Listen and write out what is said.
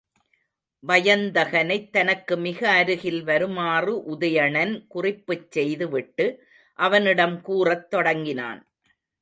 வயந்தகனைத் தனக்கு மிக அருகில் வருமாறு உதயணன் குறிப்புச் செய்து விட்டு, அவனிடம் கூறத் தொடங்கினான்.